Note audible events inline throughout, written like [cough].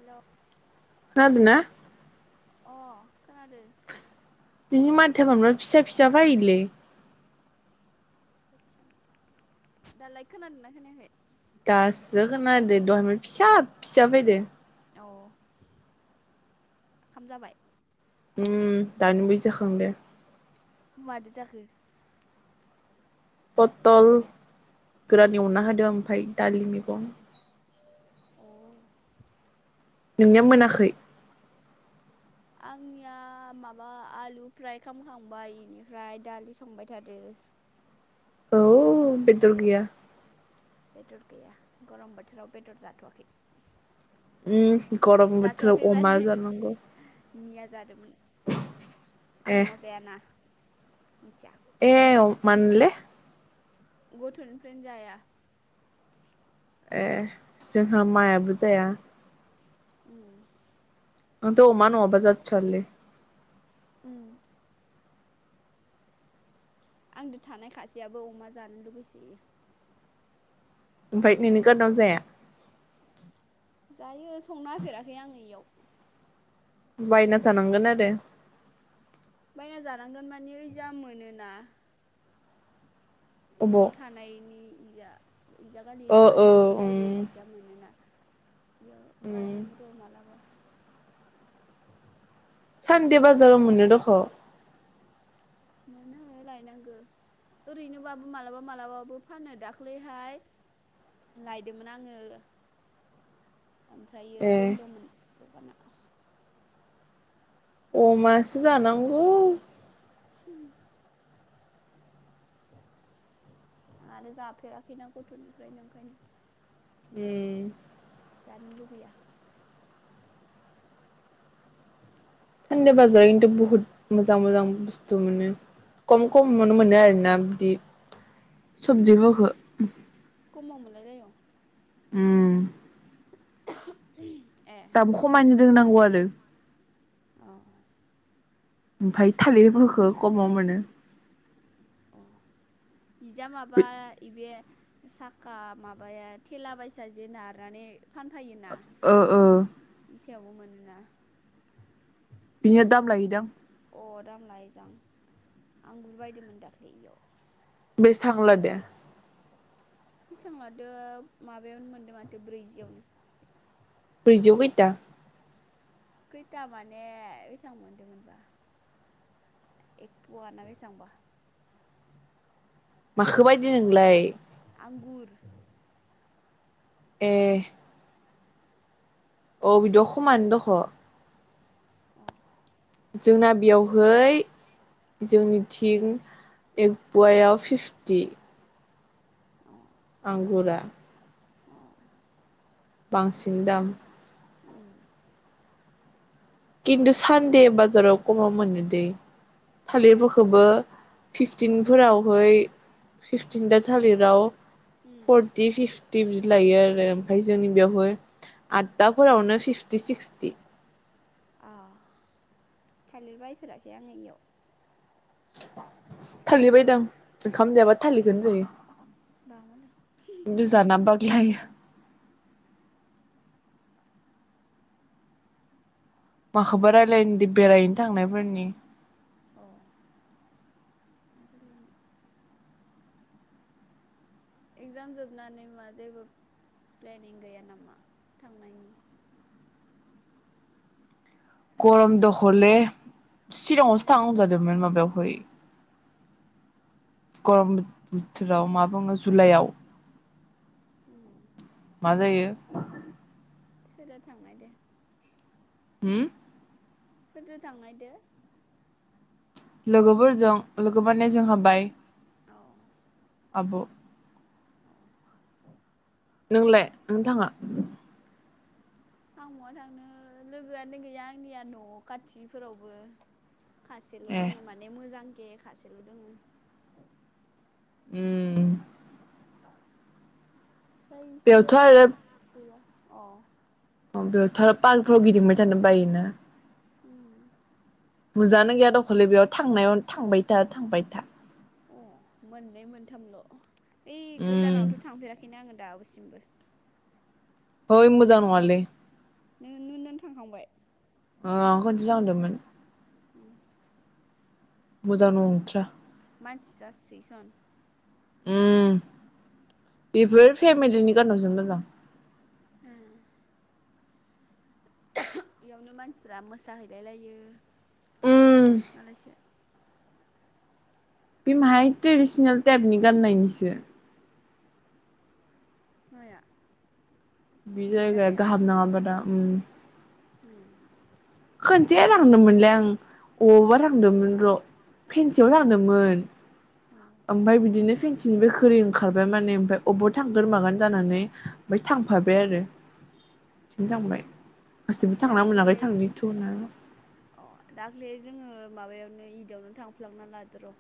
हेल खोनादोंना? अ खोनादों। नोंनि माथोआ मानोबा फिसा फिसा फैयोलै। दालाय खोनादों ना खोनायाखै? दासो खोनदों दहायनिफायनो फिसा फिसा फैदों। औ ओंखाम जाबाय? उम दानिबावैसो जाखांदों। मादो जाखो? पथल गोरान एवना होदों ओमफ्राय दालि मैगं। अ नोंनिया मोनाखै? आंनिया माबा आलु फ्राय खालामखांबाय बेनिफ्राय दालि संबाय थादों औ बेदर गैया। बेदर गैया गरम बोथोराव बेदर जाथ'वाखै। उम गरम बोथोराव जाथ'वाखै अमा माने जानांगौ। मिया जादोंमोन। आं अमा जायाना। मिथिया एव मानोले? गथ'निफ्रायनो जाया। ए जोंहा मायाबो जाया। उम आंथ' अमा नंङाबा जाथ्रालै। उम आंजों थानाय खासेयाबो अमा जानो लुुगैसोयो। ओमफ्राय नोंनि खारनाव जाया? जायो। संना होफेराखै आङो इयाव। बायना जानांगोन आरो। बायना जानांगोन मानि ओइजा मोनोना। नों अबाव थानायनि गैया इजा गालै ओ ओ हाथाइजो उम जायो इजा मोनोना बियो उम लायनांगोन र' मालाबा [inaudible] सानदे बाजाराव मोनो दख' मोनो लायनांगो ओरैनोबाबो मालाबा मालाबाबो फानो दाख्लैहाय लायदोंमोन आंङो ओमफ्रायो ए बन्द'मोन। दकाना अमासो जानांगौ [unintelligible] आरो जाफेराखैना गथ'निफ्रायनो ओंखायनो ए जानांगुबैया सानदे बाजाराव खिन्थु बुहुद मोजां मोजां बुस्थु मोनो खम खमावनो सबजि मावखो बेेलायाव उम [inaudible] दामो खमायनो रोंनांगौ आरो अ ओमफफ्राय थालिरफोरखौ खमाव मोनो। निजा माबा बे साखा माबाया थेला बसा जे नारनानै ओ ओ सेयावबो मोनोना बिनिया दाम लायोदां अ दाम लइजां आं गुबायदोंमोन दाख्लै बेयाव बेसे थांला दो बेसेबां लादो माबायावनो मोनदों माथो ब्रैजियावनो ब्रैजियाव गैता खैथा माने बेसेबां मोनदोंमोनबा एकफ'वाना बेसेबांबा माख बायदि नोंलाय? आंगुर ए अ बि द'खम आंनो दख' औ जोंना बेयावहै जोंनि थिं एक बवायाव फिफटि। अ आंगुरा। अ बांसिन दाम उम खिन्थु सानदे बाजाराव खमाव मोनो दै थालिरफोरखौबो फिफटिनफोरावहै फिफटिन दा थालिराव उम फर्टि फिफटि बिदि लायो आरो ओमफ्राय जोंनि बेयावहाय आददाफोरावनो फिफ्टि सिक्सटि। अ थालिर बायफेराखै आङो इयाव। थाललि बायदां ओंखाम जायाबा थाललिखौनो जायो। बा मालाय गोजान ना बागिहाय माखौबा रायलायनो दि बेरायहैनो थांनायफोरनि। औ। आरोलाय इगजाम जोबनानै मा जेबो प्लेनिं गैया नामा थांनायनि? गरम द हले चिराङावसो बेनोथ' थां जादोंमोन माबायावहाय गरम बोथोराव मा बुङो जुलाइआव। उम। मा जायो सोरजा थांनाय दे। हुम सोरदो थांनायदो? लोगोफोरजों लोगोमाने जोंहा बाय अ आब' नोंलाय नों थाङा? आं मवा थांनो लोगोआनो गैया आंनिया न' खाथिफोरावबो। खासेल ए दोङो माने मोजां केे खासेल दोङो। उम। फ्राय इसोरो बेयावथ' गैया। अ। अ बेयावथ' आरो पार्कफोराव गिदिंबाय थानो बायोना। उम। मोजाङानो गैया दखलै बेयाव थांनायाव थांबाय था थांबाय था। अ मोननै मोन्थामल'। ओइ उम गोदानावथ थांफेराखैनो आङो। दाबोसिमबो। होइ मोजां नङालै। नों नुनान‌ थांखांबाय? ओ आं खोनसे थांदोंमोन। उम। मोजां नंथ्रा। मानसि जासोयो सन। उम बेफोर फेमिलिनि गानावसो मोजां। उम। इयावनो मानसिफ्रा मोसाहैलाय लायो उम मालायसो। बे माहाय ट्रेडिसनेल टाइपनि गाननायनिसो। माया बे जायगाया गाहाम नाङाबादा ओम उम खोनसे लांदोंमोनलै आं अबावबा थांदोंमोन र फेनसियाव थांदोंमोन अ ओमफाय बिदिनो फिनसिनिबाय खोरै ओंखारबाय माने ओमफाय अबाव थांगोन मागोन जानानै ओमबाय थांफाबाय आरो थिं अ थांबाय गासिबो थांना मोनाखै दाख्लैहाय थांनि थौना अ दाख्लै जोंङो माबायावनो इदावनो थांफ्लांना लादो र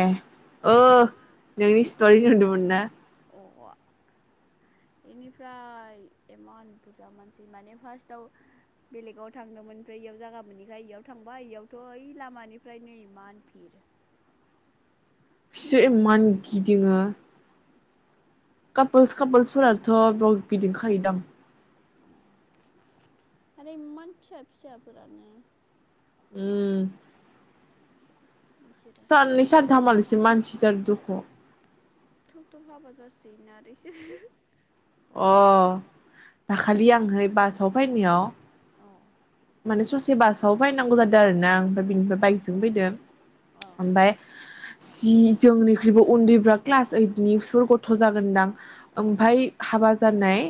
एह ओ नोंनि स्टरिखो नुदोमोन ना अबआ बेनिफ्राय इमान बुरजा मानसि माने फार्स्टआव बेलेगाव थांदोंमोन ओमफ्राय इयाव जागा मोनिखाय इयाव थांबाय इयावथ ओइ लामानिफ्रायनो इमान भिर फिसोर इमान गिदिङो कापोल्स गिदिङो अ कापोल्सफोराथ ब गिदिं सैदाम आरो इमान फिसा फिसाफोरानो उम बिसोरो साननै थब थब सानथाम मालिसिम मानसि जार दुख [unintelligible] थब थब हाबा जासोन आरो इसोर अ दाखालि आंहै बासाव फैनायाव माने ससे बासाव फायनांगौ जादों आरोना ओमफ्राय बिनिफ्राय बाइकजों फैदों अ अ ओमफाय जि जोंनिख्रुइबो उन्दैब्रा क्लास ओइदनिसो गथ जागोनदां अ ओमफाय हाबा जानाय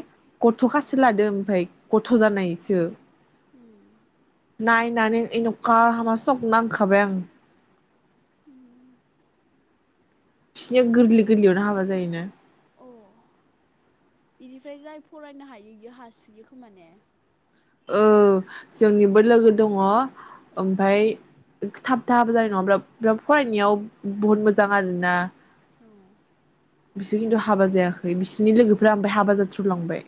गथ अ खासस लादो ओमफाय गथ थ जानायसो उम नायनानै एनखा हामा सख नांखाबाय आं उम बिसोरनिया थब गोरलै थब गोरलैयावनो हाबा जायोना बेनिफ्राय जाय फरायनो हायो इयो हासोयो खोमान ने औ जोंनिबो लोगो दंङ ओमफाय थाब थाब जानाय नङाब्रा फ्राय फरायनायाव बहुद मोजां आरोना बिसोर खिन्थु हाबा जायाखै बिसोरनि लोगोफ्रा ओमफ्राय हाबा जाजोबलांबाय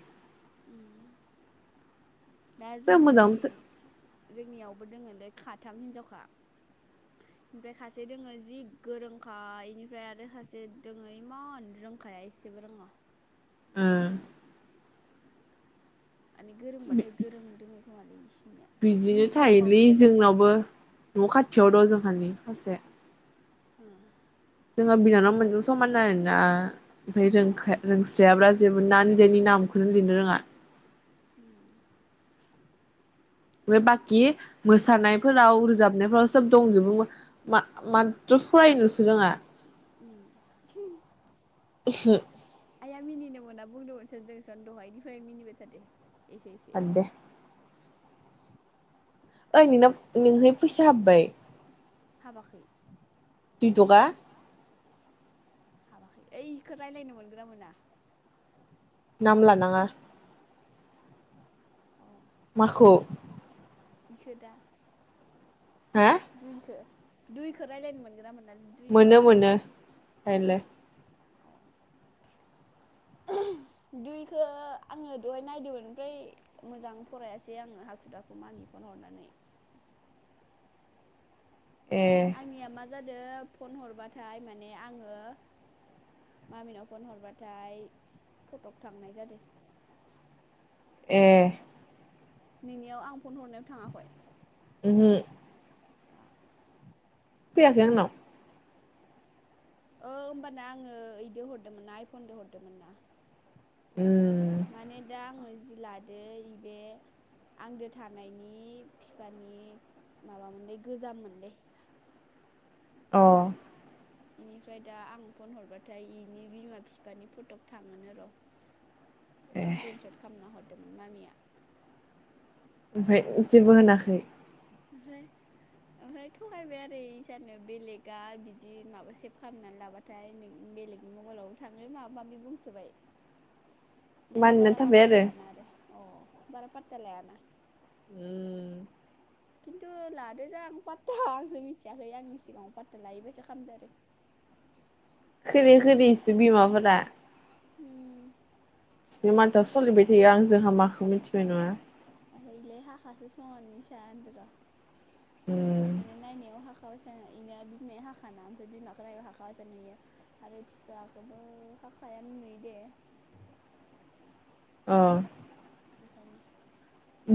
उम दा जों मोजां जोंनि ओ जोंनियावबो दंङो खाथाम हिनजावखा ओमफ्राय खासे दोंङो जि गोरोंखा एनिफ्राय आरो खासे दंङो इमान रोंखाया एसेबो रोंङा उम माने गोरोंबाथाय गोरों दंङ [unintelligible] बिदिनो थायोलै जोंनावबो न' खाथियाव दं जोंहानि सासे। उम जोंहा बिनानाव मोनजों समान आरोना। ओमफ्राय ओ अ रोंखा रोंस्रायाब्रा। जेबो नान जोंनि नामखौनो लिरनो रोङा। उम बे बाखि मोसानायफोराव रोजाबनायफोराव सोब दंजोबो मो मा माथ्र' फरायनोल'सो रोङा। उम उमहु आइया मिनिनो मोना बुंदोंमोनसन जोंसन दहायनिफ्राय मिनिबाय थादो। एसे एसे बाद दे ओइ नोंनाव नोंहोय फैसा हाबबाय? हाबाखै। दुइ थखा। ओइखौ रायज्लायनो मोनगोना मोना? नाम लानाङा। माखौ? बिखो दा। हा दुइखो। दुइखो रायलायनो मोनगोनना मोन मोनो मोनो मोन' रायलाय। दुइखो आङो दहाय नायदोमोन ओमफ्राय मोजां फरायासै आङो हाखु दाखु मामि फन हरनानै। ए। जादो, फन हरबाथाय माने आङो मामिनाव फन हरबाथाय फटग थांनाय जादो। ए। नोंनियाव आं फन हरनायाव थाङाखय? [unintelligible] फैयाखै आंनाव। ओ होमबाना आङो ओइदो हरदोमोनना आइफनदो हरदोमोनना। उम माने दा आङो जि लादो इबे आंदो थानायनि फिफानि माबा मोनलै गोजाम मोनलै। अह। इनिफ्राय दा आं फ'न हरबाथाय इनि बिमा फिफानि फट'क थाङो नोर'। ए स्क्रिनसट खामना हद मामिया। ओमफाय जेबो होनाखै? ओमफ्राय ओमफ्राय थगायबाय आरो इसानो बेलेगा बिदि माबा सेभ खालामनानै लाबाथाय नों बेलेगनि मबाइलावबो थाङो माबा माबि बुंसोबाय। इसोर मानिना बारा थाबाय पात्ता लायाना आरो अ बारा पात्ता लायाना। [unintelligible] किन्तु लादो जां पात्ता आंसो मिथियाखै आंनि सिगाङाव पात्ता लायैबायसा खामदो आरो। खोरि खरियैसो बिमाफोरा। हम। बि मानताव सलिबाय थायो आंजों हामाखौ मिनथिनाय नङा। आरो इलाय हाखासं इसा होनदोबा उम माने नायनायाव हाख खा बायसा इना बिमाया हाखाना ओमफाय बिमाखो नायबा हाखा बायसा नुयो आरो बिफायाखोबो हाखायानो नुयो दे। ओं ओंखायनो।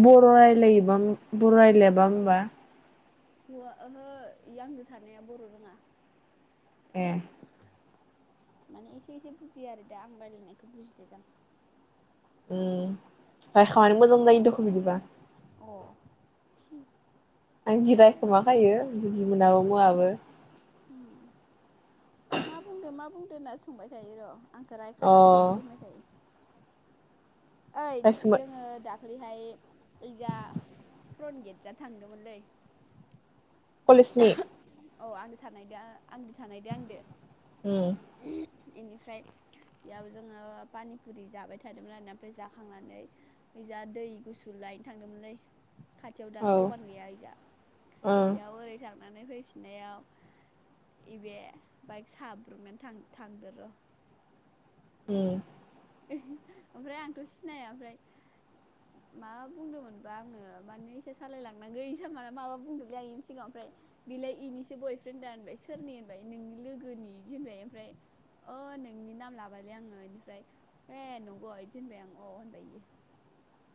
बर' रायलायोबा बर' रायलायाबा ओमबा? हुवा ओहो इ आंदो थानाया बर' रोङा। ए। माने एसे एसे बुजियो आरो दा आं रायलायनायखो बुजिदो जां। ओ रायखोमानो मोजां जायो दख' बिदिबा। अ। आं जि रायखोमायो रायखोमाबायो। जिमुनाबो मुवाबो। मा बुंदो मा बुंदो होनना सोंबाय थायो र' आंखौ अ रायखादो इदि होनबाय थायो। ओइ रायखोमा जोङो दाख दाखलिहाय ओइजा फुरन गेट जा‌ थांदोंमोनलै कलेजनि औ आंदो थानायदो आंदो थानायदो आंदो ए इनिफ्राय इयाव जोंङो पानिफुरि जाबाय थादोंमोन आरो ओमफ्राय जाखांनानै इजा दै गुसु लायनो थांदोंमोनलै खाथियाव दालाय औ दखान गैया इजा ओ बेयाव ओरै थांनानै फैफिननायाव इबे बाइक साब्र'नानै थांदो र' ए ओमफ्राय आंथ' सिनाया ओमफ्राय मा बुंदोंमोनबा आंङो मानो इसा सालायलांनांगो इसा मा-माबा बुंदोंलै आं इनि सिगांङाव ओमफ्राय बेलाय इनिसो बयफ्रेन्ड दा होनबाय सोरनि होनबाय नोंनि लोगोनि बिदि होनबाय ओमफ्राय अ नोंनि नाम लाबायलै आंङो इनिफ्राय ए नंग' इदि ओनबाय आं अ होनबाय इयो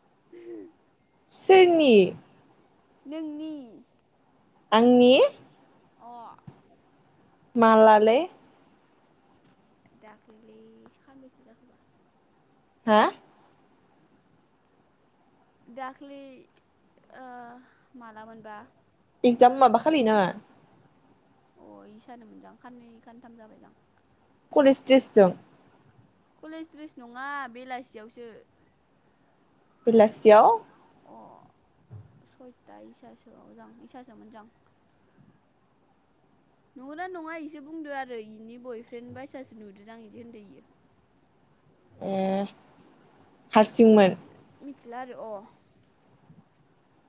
[unintelligible] सोरनि नोंनि आंनि अ मालालै? दाख्लैलै सानबैसो जाखोबा हा दाखलै ओ माला मोनबा एकजाम माबाखालि ना अ इसानो मोनजां खाननै खानथाम जाबायदां कलेज द्रेस जों कलेज द्रेस नङा बेलासियावसो बेलासियाव अ सयथा इसासोआव जां इसासोमोनजां नंगौना नङा इसो बुंदो आरो इनि बयफ्रेन्ड बायसासो नुदो जां इदि होनदों इयो अ हारसिंमोन थिला आरो अ